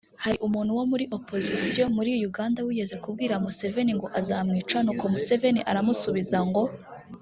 Hari Umuntu wo muri Oposition muri Uganda wigeze kubwira Museveni ngo azamwica n’uko Museveni aramusubiza ngo